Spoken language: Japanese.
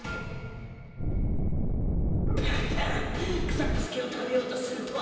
草ノ助を食べようとするとは！